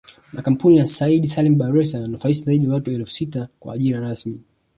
Makampuni ya Said Salim Bakhresa yananufaisha zaidi ya watu elfu sita kwa ajira rasmi